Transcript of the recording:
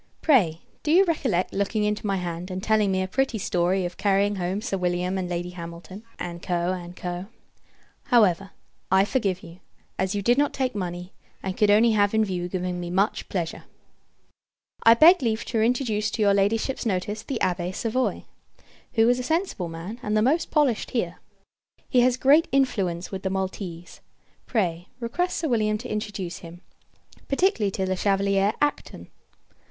Pray, do you recollect looking into my hand, and telling me a pretty story of carrying home Sir William and Lady Hamilton, &c. &c. However, I forgive you; as you did not take money, and could only have in view giving me much pleasure. I beg leave to introduce to your Ladyship's notice the Abbé Savoye; who is a sensible man, and the most polished here. He has great influence with the Maltese. Pray, request Sir William to introduce him particularly to Le Chevalier Acton.